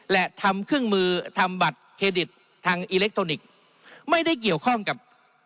และทำเครื่องมือทำบัตรเครดิตทางอิเล็กทรอนิกส์ไม่ได้เกี่ยวข้องกับ